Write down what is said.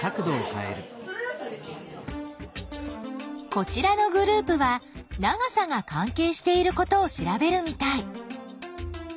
こちらのグループは長さが関係していることを調べるみたい。